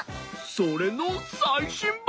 それのさいしんばん！